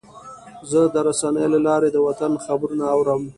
زه د رسنیو له لارې د وطن خبرونه اورم.